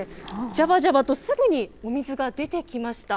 じゃばじゃばとすぐにお水が出てきました。